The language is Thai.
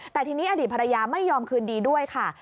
แต่ทีนี้อดีตภรรยาไม่ยอมคืนดีด้วยค่ะ